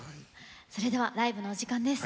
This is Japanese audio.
それではライブのお時間です。